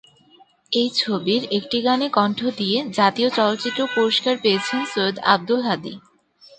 এই ছবির একটি গানে কণ্ঠ দিয়ে জাতীয় চলচ্চিত্র পুরস্কার পেয়েছেন সৈয়দ আব্দুল হাদী।